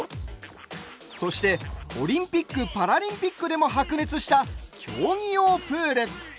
そして、オリンピックパラリンピックでも白熱した競技用プール。